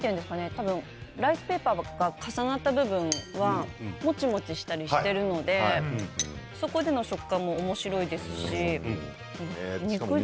多分ライスペーパーが重なった部分はもちもちしたりしているのでそこでの食感もおもしろいですし肉汁がすごい。